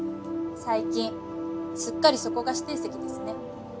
最近すっかりそこが指定席ですね。